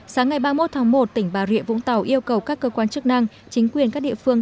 sáng ngày ba mươi một tháng một tỉnh bà rịa vũng tàu yêu cầu các cơ quan chức năng chính quyền các địa phương